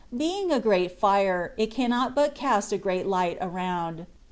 Being a great fire, it can not but cast a great light around.